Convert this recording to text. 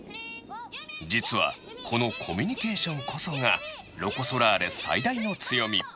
実はこのコミュニケーションこそがロコ・ソラーレ最大の強み